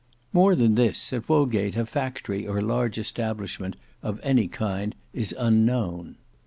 More than this, at Wodgate a factory or large establishment of any kind is unknown.